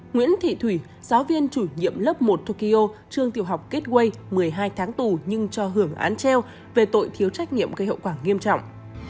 nguyễn thị thủy giáo viên chủ nhiệm lớp một tokyo trường tiểu học kết quây một mươi hai tháng tù nhưng cho hưởng án treo về tội thiếu trách nhiệm gây hậu quả nghiêm trọng